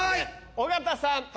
尾形さん。